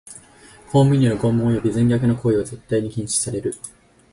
公務員による拷問および残虐な行為は絶対に禁止される。